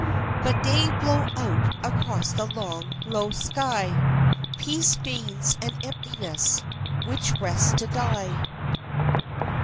But day blow out across the long, low sky Peace means an emptiness, which rests to die.